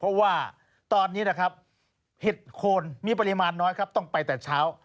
เพราะว่าตอนนี้นะครับเห็ดโคนมีปริมาณน้อยครับต้องไปแต่เช้า